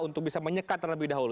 untuk bisa menyekat terlebih dahulu